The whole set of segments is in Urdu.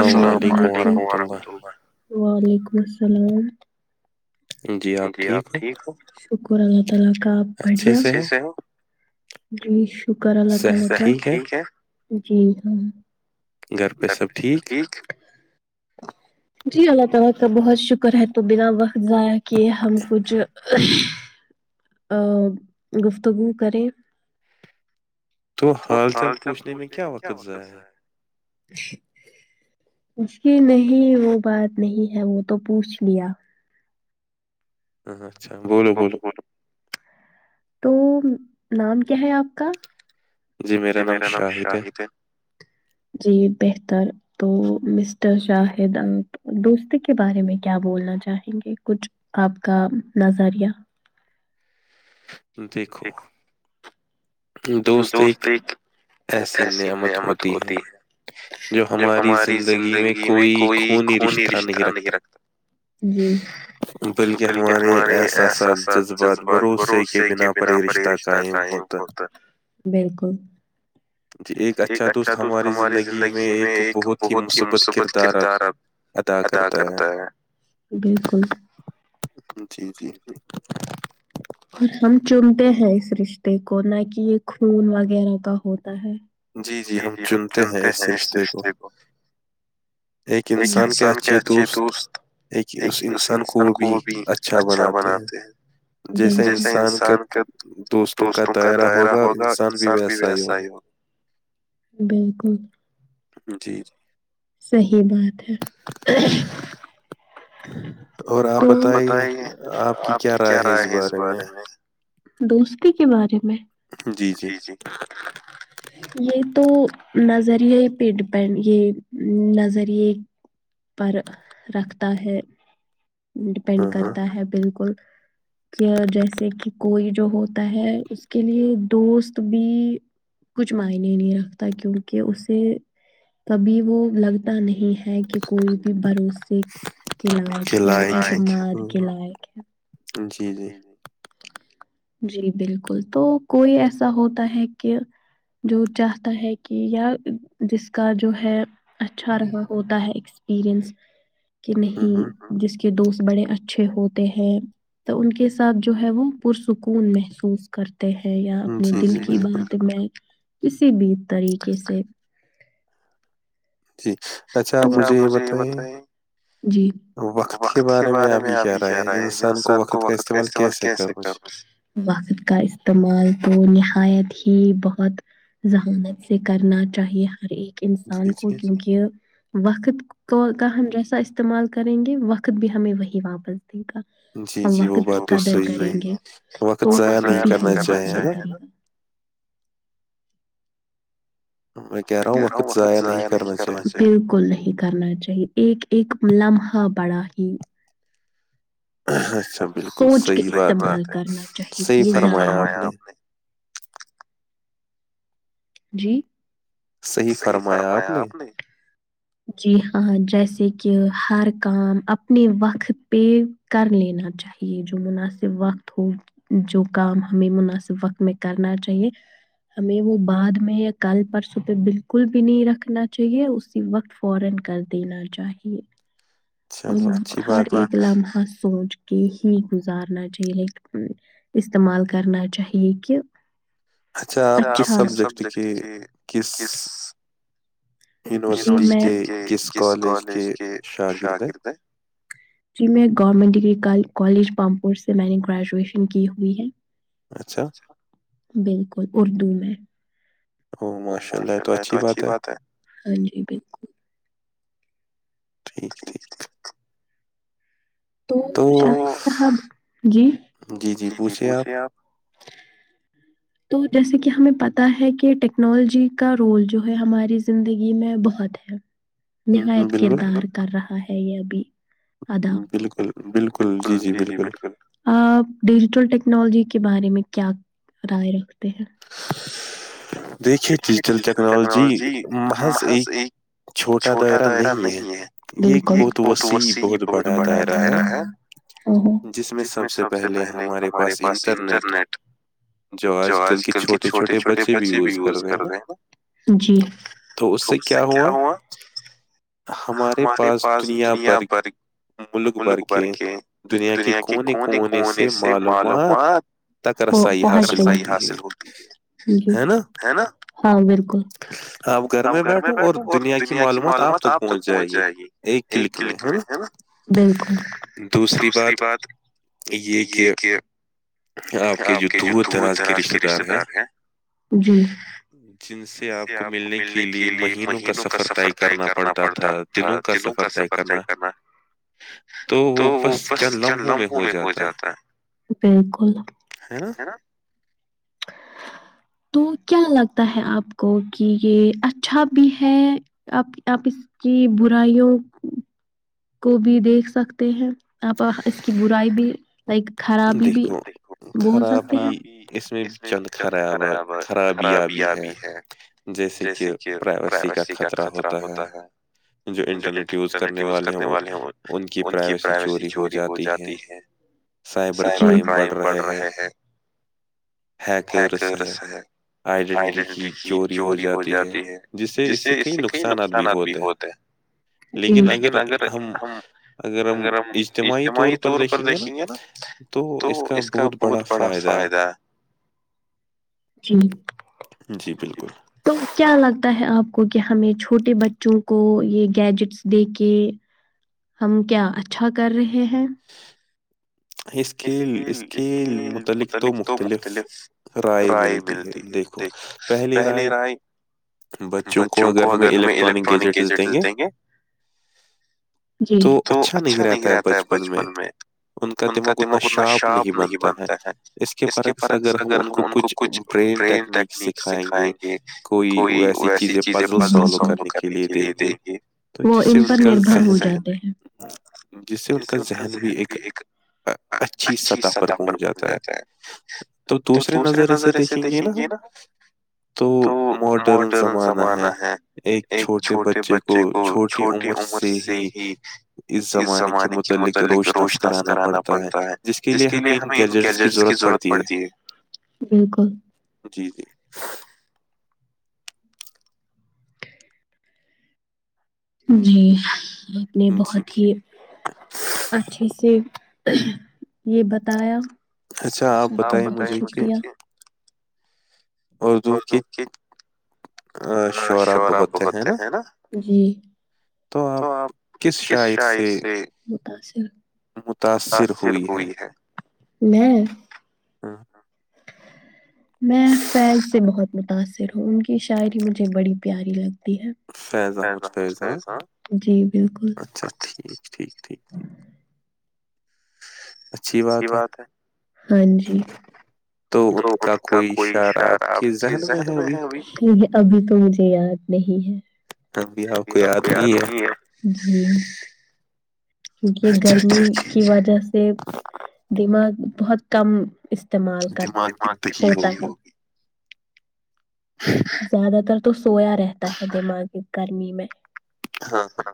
السلام ععلیکم وورحمۃ اللہ وعلیکم السلام [inaudible] [inaudible] سب ٹھیک [unintelligible] گفتگو کریں تو حال چال پوچھنے میں کیا وقت ز ہے جی نہیں وہ بات نہیں ہے وہ تو پوچھ لیا ہ اچھا بولو بولو تو نام کیا ہے آپ کا جی میرا نام شاہد ہے جی بہتر تو مسٹر شاہد دوست کے بارے میں کیا بولنا چاہیں گے کچھ آپ کا نظریہ دیکھو دوست ایک ایسی نعمت ہوتی ہے جو ہماری زندگی میں کوئی خونی رشتہ نہیں رکھتا جی بلکہ ہمارے احساسات جذبات بھروسے کے بنا پر ہی رشتہ چاہیں ہوتا بالکل ج ایک اچھا دوست ہماری زندگی میں ایک بہت ہی مثبت کردار اب ادا کرتا ہے بالکل جی جی اور ہم چنتے ہیں اس رشتے کو نہ کہ یہ خون وغیرہ کا ہوتا ہے جی جی ہم چنتے ہیں اس رشتے کو ایک انسان کے اچھے دوست ایک اس انسان کو وہ بھی اچھا بناتے ہیں جیسے انسان کا دوستوں کا دائرہ ہوگا انسان بھی ویسا ہی ہوگا بالکل جی جی صحی بات ہے اور بتائی آپ کی کیا رائے ہے اس بارے میں دوستی کے بارے میں یہ تو نظریے پہ ڈپینڈ یہ نظریے پر رکھتا ہے ڈپینڈ کرتا ہے بالکل کہ جیسے کہ کوئی جو ہوتا ہے اس کے لیے دوست بھی کچھ معنی نہیں رکھتا کیونکہ اسے کبھی وہ لگتا نہیں ہے کہ کوئی بھی بھروسے کے لائق ہے اعتماد کے لائق ہے جی بالکل تو کوئی ایسا ہوتا ہے کہ جو چاہتا ہے کہ یا جس کا جو ہے اچھا رہا ہوتا ہے ایکسپیرنس کہ نہیں جس کے دوست بڑے اچھے ہوتے ہیں تو ان کے ساتھ جو ہے وہ پرسکون محسوس کرتے ہیں یا اپنے دل کی بات میں کسی بھی طریقے سے اچھا آپ مجھے یہ بتائیں جی وقت کے بارے میں ابھی کیا رہاے انسان کو وقت کا استعمال کیسے کر وقت کا استعمال تو نہایت ہی بہت ذہانت سے کرنا چاہیے ہر ایک انسان کو کیونکہ وقت کو کا ہم جیسا استعمال کریں گے وقت بھی ہمیں وہی واپس دے گا ہم وقت کی قدر کریں گے تو میں کہہ رہا ہوں وقتضاع نہیں کرنا بالکل نہیں کرنا چاہیے ایک ایک لمحہ بڑا ہی سوچ کے استعمال کرنا چاہیے کہ جی صحیح فرمایا آپ نے جی ہاں جیسے کہ ہر کام اپنے وقت پہ کر لینا چاہیے جو مناسب وقت ہو [unintelligible] جو کام ہمیں مناسب وقت میں کرنا چاہیے ہمیں وہ بعد [unintelligible] ہر ا لام ہر سوچ [unintelligible] کہ ہی گزارنا چاہیے ل استعمال کرنا چاہیے کہ [unintelligible] اچ آپ کس سبجیکٹ کے کس [unintelligible] یونیورسٹی کے کس کالج کے ش گرد جی میں گورنمنٹ ڈگری کالج پامپور سے میں نے گریجویشن کی ہوئی ہے اچھا [unintelligible] [unintelligible] بالکل اردو میں [unintelligible] ماشاء اللہ تو اچھی بات ہے ج [unintelligible] ٹھیک ٹھیک تو شاہ صاحب جی جی جی پوچھے آپ [unintelligible] ہوں [unintelligible] تو جیسے کہ ہمیں پتہ ہے کہ ٹیکنالوجی کا رول جو ہے ہماری زندگی میں بہت ہے [unintelligible] نہایت کردار کر رہا ہے یہ ابھی بالکل بالکل جی جی جی بالکل [unintelligible] آپ ڈیجیٹل ٹیکنالوجی کے بارے میں کیا رائے رکھتے ہیں [unintelligible] دیکھیے ڈجٹل ٹیکنالوجی محظ ای [unintelligible] چھوٹا دائرہ نہیں ہے یہ ایک بہت وسیع بہت بڑا دائرہ ہے [unintelligible] جس میں سب سے پہلے ہمارے پاس انٹرنیٹ جو آج کل کے چھوٹے چھوٹے بچے بھی ہوئے یوز کر د ہیں جی تو اس سے کیا ہوا [unintelligible] ہمارے پاس دنیا بھر ملک بھر کے دنیا کے کونے کونے سے معلومات حاصل ہوتی ہے جی نا ہاں بالکل آپ گھر میں بیٹھو اور دنیا کی معلومات آپ تک پہنچ جائے گی ایک کلک میں ہے نا دوسری بات [unintelligible] یہ کہ آپ کے جو دور دراز کے رشتتے دار ہیں جی [unintelligible] جن سے آپ کو ملنے کے لیے مہینوں کا سفر طے کرنا پڑتا تھا دنوں کا سفر طے کرنا تو وہ بس کیا لمبوں میں ہو جاتا ہے بالکل ہے نا [unintelligible] تو کیا لگتا ہے آپ کو کہ یہ اچھا بھی ہے [unintelligible] آپ آپ اس کی برائیوں کو بھی دیکھ سکتے ہیں آپ اس کی برائی بھی لائک خرابی بھی [unintelligible] خرابی اس میں بھی چند خراب ہے خرابیاں بھی ہے جیسے کہ پرائیویسی کا خطرہ ہوتا ہے جو انٹرنیٹ یوز کرنے والا ان کی پرائیویسی چوری ہو جاتی ہے [unintelligible] سائبر کرائم بڑھ رہے ہیں ہیکرس ہے [unintelligible] آئیڈن کی چوری ہو جاتی ہے جس سے اس سے کئی نقصانات بھی ہوتے ہیں لیکن اگر اگر ہم اجتماعی طور پر دیکھیں گے نا تو اس کا بہت بڑا فائدہ جی بالکل [unintelligible] تو کیا لگتا ہے آپ کو کہ ہمیں چھوٹے بچوں کو یہ گیجٹس دے کے ہم کیا اچھا کر رہے ہیں اسکیل اسکیل متعلق تو مختلف رائے ملتی ہے دیکھو پہلی رائے بچوں کو اگر ہمیں الیکٹرانک گیجٹس دیں گے تو اچھا نہیں رہتا ہے بچپن میں ان کا دماغ اتنا شارپ نہیں بنتا ہے اس کے فرک اگر ہم ان کو کچھ برین ٹیکنیک سکھائیں گے کوئی وسی چیزیں پزل سالو کرنے کے لیے دیں گے وہ ان پر نربھر ہو جاتے ہیں جس سے ان کا ذہن بھی ایک اچھی سطح پر پہنچ جاتا ہے تو دوسرے نظرے سے دیکھیں گے نا ہم تو ماڈرن زمانہ ہے ایک چھوٹے بچے کو چھوٹی عمر سے ہی اس زمانے کے متعلق روشناس کرانا پڑتا ہے جس کے لیے ہمیں ان گیجٹس کی ضرورت پڑتی ہے جی جی جی آپ نے بہت ہی اچھے سے یہ بتایا آپ بتائ [unintelligible] [unintelligible] ہ شوراب بہت ہے ہیں نا جی تو آپ کس شاعر سے متاثر ہوئی ہے میں فیض سے بہت متاثر ہوں ان کی شاعری مجھے بڑی پیاری لگتی ہے جی بالکل [unintelligible] بات ہے ہاں جی تو ان کا کوئی اشارہنے آپکی ذہن میں ہے ابھی تو مجھے یاد نہیں ہے جی آپکو یاد نہی ہے جی کیونکہ گرمی کی وجہ سے دماغ بہت کم استعمال کر ہو زیادہ تر تو سویا رہتا ہے دماغی گرمی میں ہ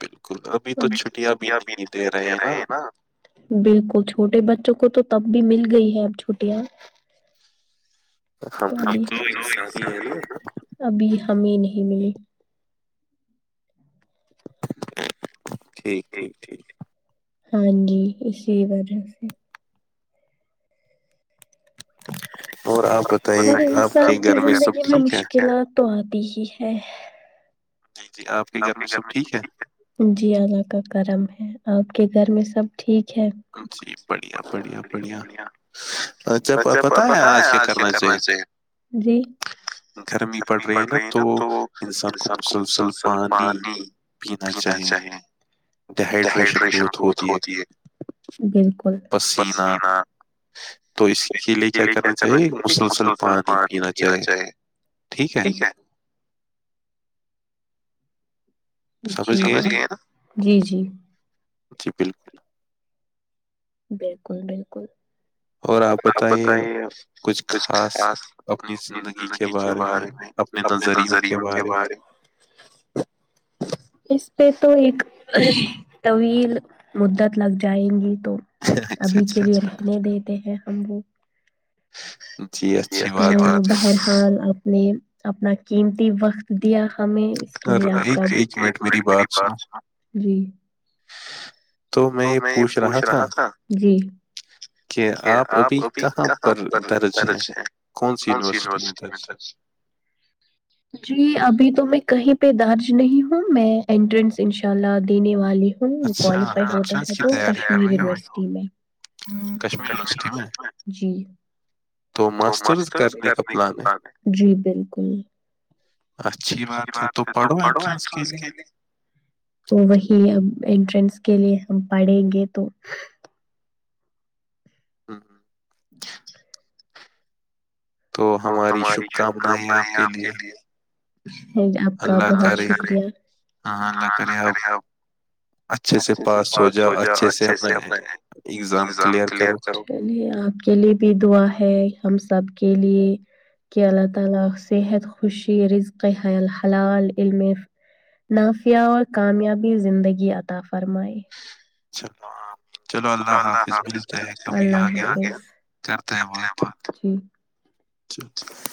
ابھی تو چھٹیاں بھی نہیں دے رہے نا بالکل چھوٹے بچوں کو تو تب بھی مل گئی ہے اب چھٹیاں تو ابھی ابھی ہمیں نہیں ملی ٹھیک ٹھیک ٹھیک ہاں جی اسی وجہ سے [inaudible] [inaudible] پر انسان کی زندگی میں مشکلات تو آتی ہی ہے [unintelligible] جی جی آپ آپ کے گھر میں سب ٹھیک ہے جی اللہ کا کرم ہے آپ کے گھر میں سب ٹھیک ہے جی بڑھیا بڑھیا بڑھیا اچھا پتا ہے آج کیا کرنا چاہیے گرمی پڑ رہی ہے نا تو انسان کو مسلسل پانی پانی پینا چاہیں ڈیہائیڈریشن بہت ہوتی ہے بالکل [unintelligible] تو اس کے لیے کیا کرنا چاہیے مسلسل پانی پینا چاہیے ٹھیک ہے جی سمجھ گئے نا جی جی جی بالکل بالکل بالکل اور آپ بتائیے کچھ خاص اپنی زندگی کے بارے میں اپنے تنظریم کے بارے اس پہ تو ایک طویل مدت لگ جائیں گی تو ابھی کے لیے رہنے دیتے ہیں ہم وہ بہرحال آپ نے اپنا قیمتی وقت دیا ہمیں ے آپ کا م می بات جی تو میں یہ پوچھ رہا تھا جی کہ آپ ابھی کہاں پر درج ہیں کون سی یونیورسٹی میں تھا اس جی ابھی تو میں کہیں پہ درج نہیں ہوں میں انٹرنس انشاء اللہ دینے والی ہوں ہم کوالیفائی ہوتا ہے تو کشمیر یونیورسٹی میں کشیر جی [unintelligible] تو منے جی بالکل [unintelligible] اچھی بات ہے تو پڑھو انٹرنس کے لیے تو وہی اب انٹرنس کے لیے ہم پڑھیں گے تو ہوں ہ کو ہماری شھکامنیں آپ کے لیے ج آپ کا بہت شکریہلہ اچھے سے پاس ہو جاؤ اچھے سے اپنے اگزام کلیئر کرو عنی آپ کے لیے بھی دعا ہے ہم سب کے لیے کہ اللہ تعالی صحت خوشی رزق حلال علم نافیا اور کامیابی زندگی عطا فرمائے چل رہ ہ و اللہ حافظ ب آگے کرتے ہیں بات اچھا